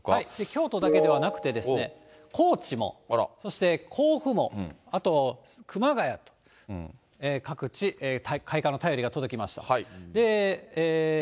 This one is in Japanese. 京都だけではなくて、高知もそして甲府もあと熊谷と、各地、開花の便りが届きました。